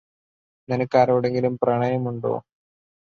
നിനക്ക് ആരോടെങ്കിലും പ്രണയമുണ്ടോ?